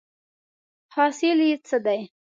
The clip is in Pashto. حاصل یې څه دی ؟